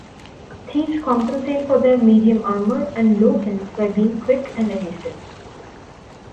Thieves compensate for their medium armor and low health by being quick and evasive.